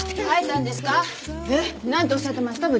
何ておっしゃってました？